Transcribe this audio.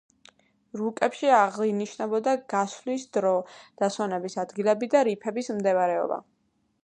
რუკებში აღინიშნებოდა გასვლის დრო, დასვენების ადგილები და რიფების მდებარეობა.